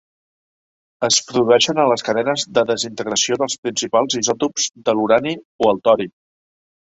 Es produeixen a les cadenes de desintegració dels principals isòtops de l'urani o el tori.